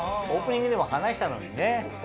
オープニングでも話したのにね。